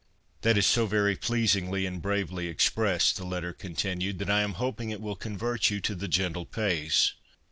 ' That is so very pleasingly and bravely expressed,' the letter continued, ' that I am hoping it will convert you to " the gentle pace."